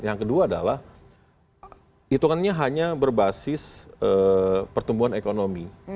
yang kedua adalah hitungannya hanya berbasis pertumbuhan ekonomi